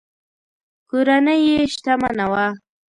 کورنۍ یې شتمنه وه.